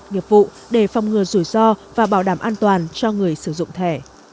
nghiệp vụ để phòng ngừa rủi ro và bảo đảm an toàn cho người sử dụng thẻ